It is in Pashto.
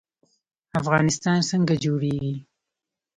افغانستان څنګه جوړیږي؟